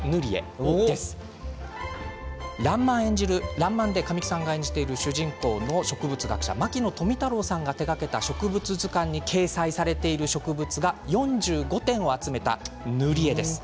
「らんまん」で神木さんが演じている主人公の植物学者牧野富太郎さんが手がけた植物図鑑に掲載されている植物画４５点を集めた塗り絵です。